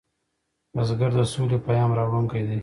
بزګر د سولې پیام راوړونکی دی